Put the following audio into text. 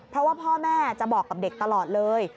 เพราะว่าพ่อแม่จะบอกกับเด็กตลอดเลย